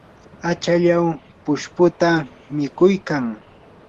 achallaw pushputa mikuykan.